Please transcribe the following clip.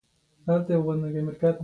غرمه د زړه د خاموشۍ شیبه ده